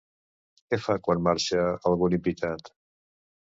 Què fa quan marxa algun invitat?